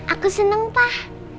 aku seneng pak